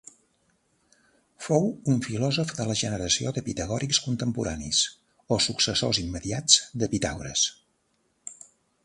Fou un filòsof de la generació de pitagòrics contemporanis o successors immediats de Pitàgores.